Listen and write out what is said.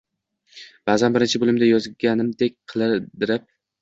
ba’zan birinchi bo’limda yozganimdek qidirib